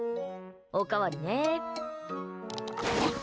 おかわりね。